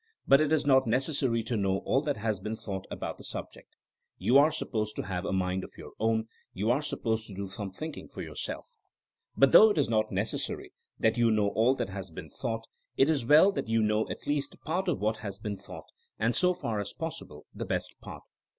But it is not necessary to know all that has been thought about the subject. You are supposed to have a mind of your own ; you are supposed to do some thinking for yourself. But though I. 152 THINKINO AS A SCIENCE it is not necessary that you know all that has been thought, it is well that you know at least part of what has been thought, and so far as possible, the best part.